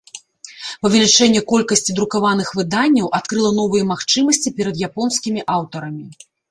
Павялічэнне колькасці друкаваных выданняў адкрыла новыя магчымасці перад японскімі аўтарамі.